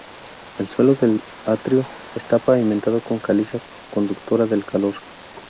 El suelo del atrio está pavimentado con caliza conductora del calor.